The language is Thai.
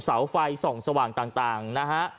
เสาไฟส่องสว่างต่างนะฮะ